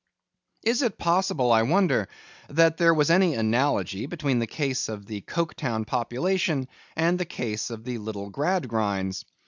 Is it possible, I wonder, that there was any analogy between the case of the Coketown population and the case of the little Gradgrinds?